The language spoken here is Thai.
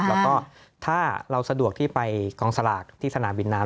แล้วก็ถ้าเราสะดวกที่ไปกองสลากที่สนามบินน้ำ